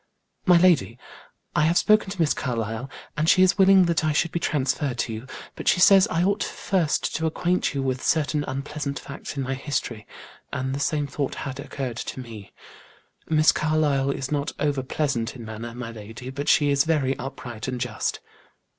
"My lady, I have spoken to Miss Carlyle, and she is willing that I should be transferred to you, but she says I ought first to acquaint you with certain unpleasant facts in my history, and the same thought had occurred to me. Miss Carlyle is not over pleasant in manner, my lady, but she is very upright and just."